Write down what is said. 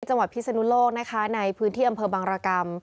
จังหวัดพิศนุโลกในพื้นที่อำเภอบางรกรรม